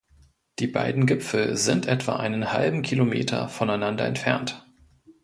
Die beiden Gipfel sind etwa einen halben Kilometer voneinander entfernt.